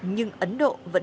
nhưng ấn độ vẫn đang không biết